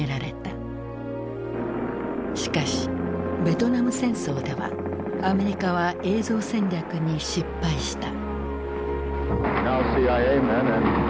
しかしベトナム戦争ではアメリカは映像戦略に失敗した。